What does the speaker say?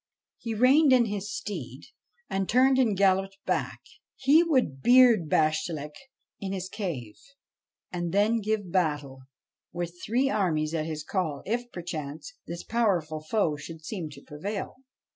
He reined in his steed, and turned and galloped back. He would beard Bashtchelik in his cave, and then give battle, with three armies at his call, if, perchance, this powerful foe should seem to prevail.